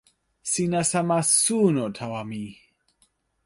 sina sama suno tawa mi.